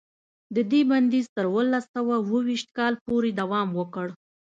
د دې بندیز تر اوولس سوه اوه ویشت کاله پورې دوام وکړ.